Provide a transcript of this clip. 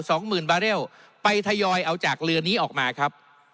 สองหมื่นบาเรลไปทยอยเอาจากเรือนี้ออกมาครับ